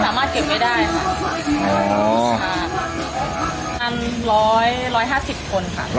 สามารถเก็บไว้ได้ค่ะพันร้อยร้อยห้าสิบคนค่ะ